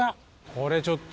これちょっと。